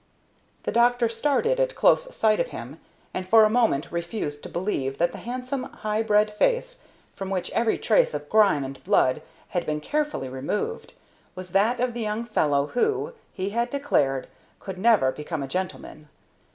The doctor started at close sight of him, and for a moment refused to believe that the handsome, high bred face, from which every trace of grime and blood had been carefully removed, was that of the young fellow who, he had declared, could never become a gentleman.